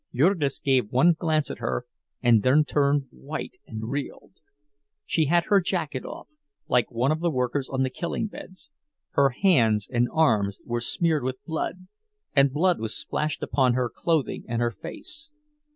Jurgis gave one glance at her, and then turned white and reeled. She had her jacket off, like one of the workers on the killing beds. Her hands and arms were smeared with blood, and blood was splashed upon her clothing and her face.